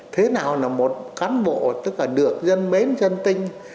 thế nào là một cán bộ tức là được dân mến dân tinh